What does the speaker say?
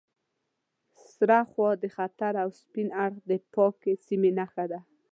سره خوا د خطر او سپین اړخ د پاکې سیمې نښه ده.